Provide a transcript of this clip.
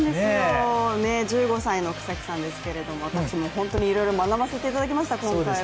１５歳の草木さんですけど私もいろいろ学ばせてもらいました、今回は。